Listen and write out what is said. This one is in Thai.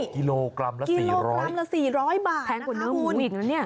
กิโลกรัมละ๔๐๐บาทแพงกว่าเนื้อหมูอิ่งนะเนี่ย